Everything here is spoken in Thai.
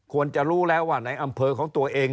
ควรจะรู้แล้วว่าในอำเภอของตัวเอง